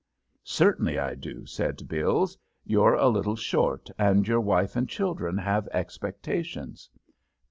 "Certainly I do," said Bills. "You're a little short and your wife and children have expectations."